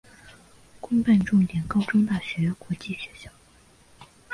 公办重点高中大学国际学校